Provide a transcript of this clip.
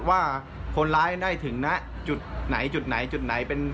ว่าคนร้ายได้ถึงนะจุดไหนจุดไหนจุดไหนเป็น